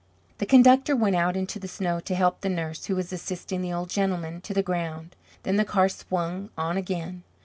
The conductor went out into the snow to help the nurse, who was assisting the old gentleman to the ground. Then the car swung on again.